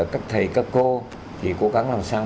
các thầy các cô thì cố gắng làm sao